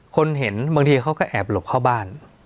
คนเห็นบางทีเขาก็แอบหลบเข้าบ้าน